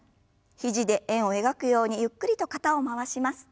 肘で円を描くようにゆっくりと肩を回します。